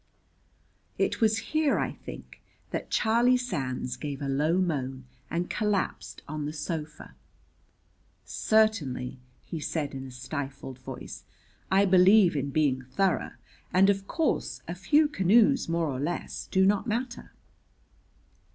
It was here, I think, that Charlie Sands gave a low moan and collapsed on the sofa. "Certainly!" he said in a stifled voice. "I believe in being thorough. And, of course, a few canoes more or less do not matter."